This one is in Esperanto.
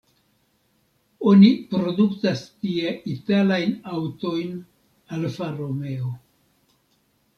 Oni produktas tie italajn aŭtojn Alfa Romeo.